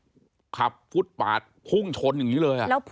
แล้วพุ่งมาแรงแล้วก็เร็วมากนะคะถ้าที่ดูไหนดูจากภาพเนี้ยคือไฟพุ่งปื๊ดมาเลย